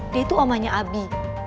dia itu omahnya abi